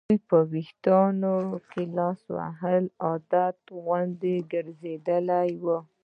د دې په ویښتانو کې لاس وهل مې عادت غوندې ګرځېدلی و.